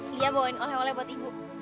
dia bawain oleh oleh buat ibu